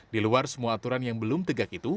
di luar semua aturan yang belum tegak itu